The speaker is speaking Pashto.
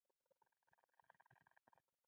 د یکشنبې ورځ د مازدیګر څلور پنځه څلوېښت بجې دي.